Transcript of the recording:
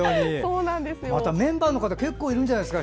また、メンバーの方結構いるんじゃないですか？